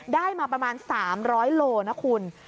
ได้มาประมาณ๓๐๐โลนะคุณ